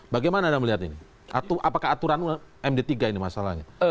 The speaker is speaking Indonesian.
bagaimana anda melihat ini apakah aturan md tiga ini masalahnya